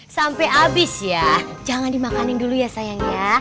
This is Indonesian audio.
sampai habis ya jangan dimakanin dulu ya sayang ya